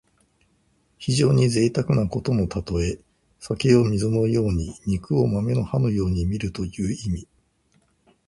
非常にぜいたくなことのたとえ。酒を水のように肉を豆の葉のようにみるという意味。